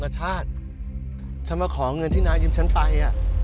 ฉันมาขอเงินที่นายยิ้มฉันไป